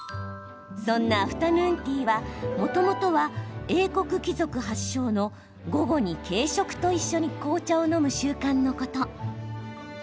そんなアフタヌーンティーはもともとは英国貴族発祥の午後に軽食と一緒に紅茶を飲む習慣のこと。